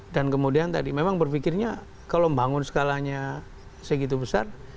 dan kemudian tadi memang berpikirnya kalau membangun skalanya segitu besar